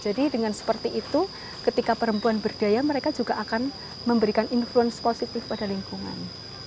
jadi dengan seperti itu ketika perempuan berdaya mereka juga akan memberikan influence positif pada lingkungan